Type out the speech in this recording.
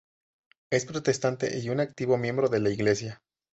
Es protestante y un activo miembro de la iglesia.